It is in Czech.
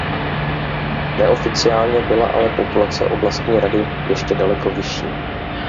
Neoficiálně byla ale populace oblastní rady ještě daleko vyšší.